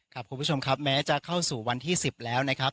คุณผู้ชมครับแม้จะเข้าสู่วันที่๑๐แล้วนะครับ